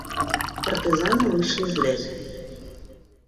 Партызаны выйшлі з лесу.